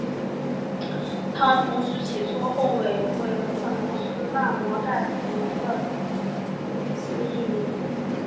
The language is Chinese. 他同时提出后凹尾龙可能是纳摩盖吐龙的次异名。